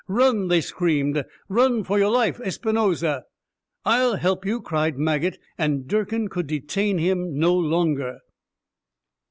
"Run," they screamed. "Run for your life, Espinosa!" "I'll help you," cried Maget, and Durkin could detain him no longer.